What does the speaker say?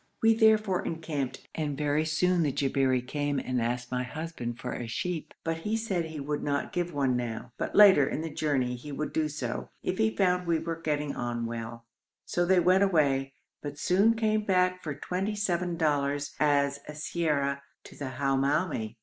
We therefore encamped, and very soon the Jabberi came and asked my husband for a sheep, but he said he would not give one now, but later in the journey he would do so if he found we were getting on well; so they went away, but soon came back for twenty seven dollars, as siyar to the Hamoumi.